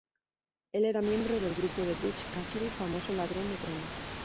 Él era miembro del grupo de Butch Cassidy, famoso ladrón de trenes.